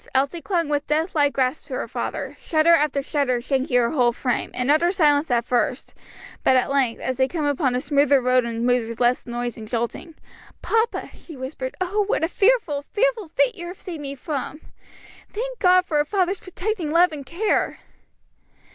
Elsie clung with death like grasp to her father, shudder after shudder shaking her whole frame, in utter silence at first, but at length, as they came upon a smoother road and moved with less noise and jolting, "Papa," she whispered, "oh, what a fearful, fearful fate you have saved me from! Thank God for a father's protecting love and care!"